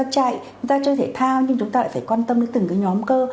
chạy chúng ta chơi thể thao nhưng chúng ta lại phải quan tâm đến từng cái nhóm cơ